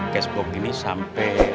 kesbok ini sampai